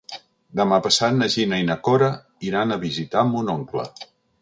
Demà passat na Gina i na Cora iran a visitar mon oncle.